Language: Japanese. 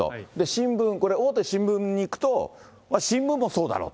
新聞、これ、大手新聞にいくと、新聞もそうだろうと。